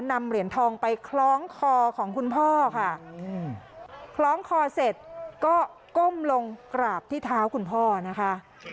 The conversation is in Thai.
นำเหรียญทองไปคล้องคอของคุณพ่อค่ะคล้องคอเสร็จก็ก้มลงกราบที่เท้าคุณพ่อนะคะ